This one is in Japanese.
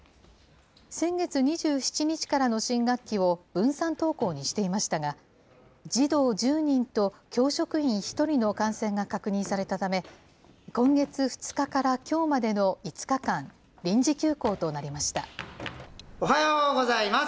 先月２７日からの新学期を分散登校にしていましたが、児童１０人と教職員１人の感染が確認されたため、今月２日からきょうまでの５日間、おはようございます。